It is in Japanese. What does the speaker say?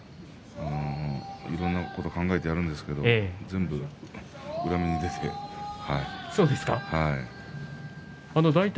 いろんなことを考えてやるんですけど全部、裏目に出てはい。